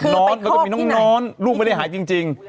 นอนแล้วก็มีน้องลูกไม่ได้หายจริง